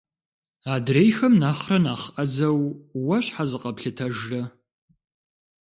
Адрейхэм нэхърэ нэхъ ӏэзэу уэ щхьэ зыкъэплъытэжрэ?